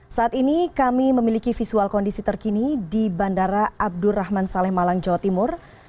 saat ini kami memiliki visual kondisi terkini di bandara abdurrahman saleh malang jawa timur